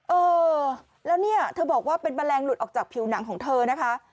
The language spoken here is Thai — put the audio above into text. เออแล้วเนี่ยเธอบอกว่าเป็นแมลงหลุดออกจากผิวหนังของเธอนะคะ